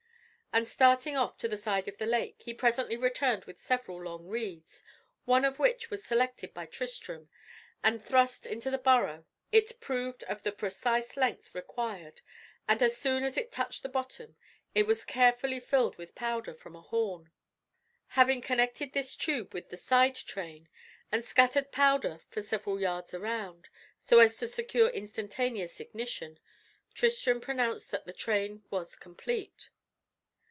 And starting off to the side of the lake, he presently returned with several long reeds, one of which was selected by Tristram and thrust into the burrow. It proved of the precise length required; and as soon as it touched the bottom, it was carefully filled with powder from a horn. Having connected this tube with the side train, and scattered powder for several yards around, so as to secure instantaneous ignition, Tristram pronounced that the train was complete.